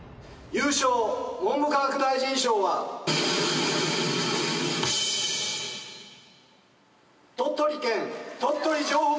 優勝文部科学大臣賞は鳥取県鳥取城北